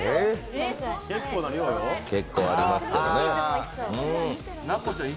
結構ありますけどね。